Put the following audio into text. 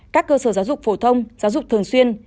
các cơ sở giáo dục phổ thông giáo dục thường xuyên